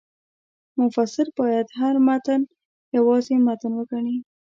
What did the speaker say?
مفسر باید هر متن یوازې متن وګڼي.